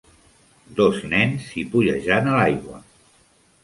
Dos nens xipollejant a l'aigua.